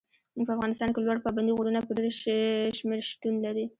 په افغانستان کې لوړ پابندي غرونه په ډېر شمېر شتون لري.